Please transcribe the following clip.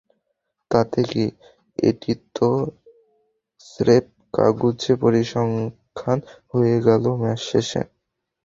তাতে কী, এটি তো স্রেফ কাগুজে পরিসংখ্যান হয়ে গেল ম্যাচ শেষে।